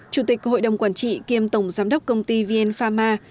chủ tịch hội đồng quản trị kiêm tổng giám đốc công ty vn pharma